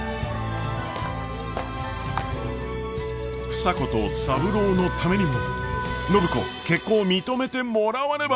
房子と三郎のためにも暢子結婚を認めてもらわねば。